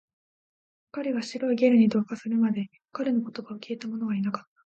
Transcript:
彼が白いゲルに同化するまで、彼の言葉を聞いたものはいなかった